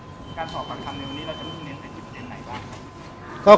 การสอบปากคำในวันนี้เราจะมุ่งเน้นไปที่ประเด็นไหนบ้างครับ